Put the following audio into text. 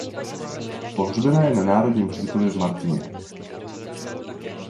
Pohřbena je na Národním hřbitově v Martině.